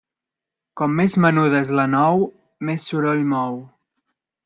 Com més menuda és la nou, més soroll mou.